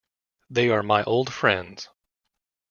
They are my old friends.